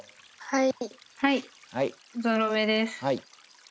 はい。